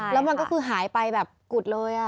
แล้วมันก็คือหายไปแบบกุดเลย